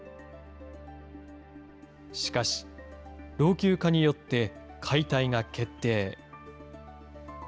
しかし、老朽化によって解体が決定。